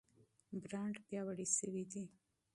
برانډ پیاوړی شوی دی.